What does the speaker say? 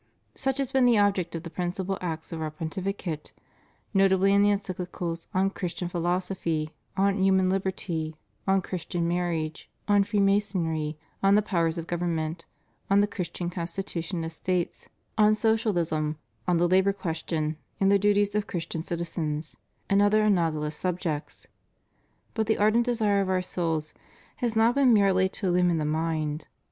Such has been the object of the principal acts of Our Pontificate, notably in the Encyclicals on Christian Philosophy, on Human Liberty, on Christian Marriage, on Freemasonry, on The Powers of Government, on The Christian Constitu tion of States, on Socialism, on the Labor Question, and the Duties of Christian Citizens and other analogous subjects. But the ardent desire of Our souls has not been merely to illumine the mind.